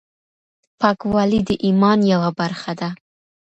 پاکوالی د ايمان يوه برخه ده.